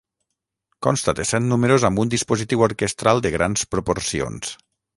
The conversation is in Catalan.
Consta de set números amb un dispositiu orquestral de grans proporcions.